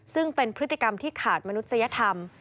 ซึ่งเป็นพฤติกรรมที่ขาดมนุษยธรรม